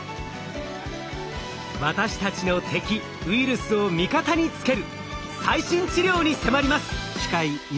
私たちの敵ウイルスを味方につける最新治療に迫ります！